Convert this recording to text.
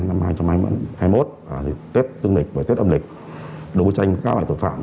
năm hai nghìn hai mươi một tết tương lịch và tết âm lịch đấu tranh các loại tội phạm